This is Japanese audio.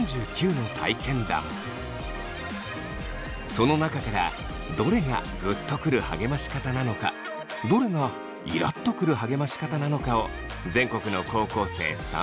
その中からどれがグッとくる励まし方なのかどれがイラッとくる励まし方なのかを全国の高校生３００人に聞きました。